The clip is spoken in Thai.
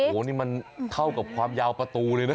โอ้โหนี่มันเท่ากับความยาวประตูเลยนะ